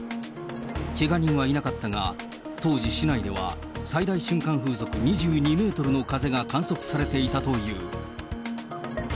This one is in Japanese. けが人はいなかったが、当時、市内では最大瞬間風速２２メートルの風が観測されていたという。